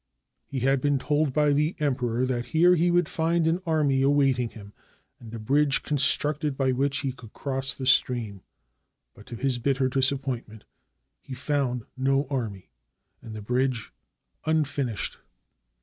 He had been told by the Emperor that here he would find an army awaiting him, and a bridge con structed by which he could cross the stream. But, to his bitter disappointment, he found no army, and the bridge unfinished.